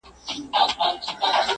لا تر اوسه پر کږو لارو روان یې،